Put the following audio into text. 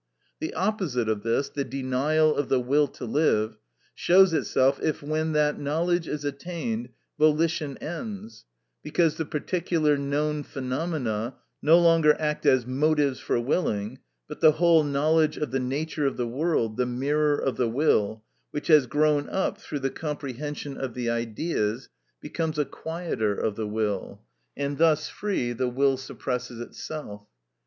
The opposite of this, the denial of the will to live, shows itself if, when that knowledge is attained, volition ends, because the particular known phenomena no longer act as motives for willing, but the whole knowledge of the nature of the world, the mirror of the will, which has grown up through the comprehension of the Ideas, becomes a quieter of the will; and thus free, the will suppresses itself.